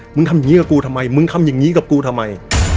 ทำอย่างนี้กับกูทำไมมึงทำอย่างนี้กับกูทำไม